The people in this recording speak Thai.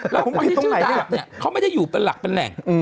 แล้วคนที่ชื่อดาบเนี่ยเขาไม่ได้อยู่เป็นหลักเป็นแหล่ง